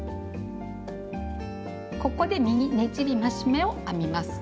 ここで「右ねじり増し目」を編みます。